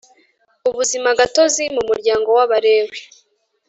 ubuzima gatozi mu muryango w abalewi